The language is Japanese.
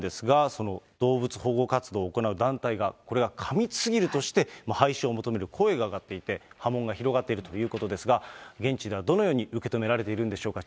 その動物保護活動を行う団体が、これは過密すぎるとして、廃止を求める声が上がっていて、波紋が広がっているということですが、現地ではどのように受け止められているんでしょうか。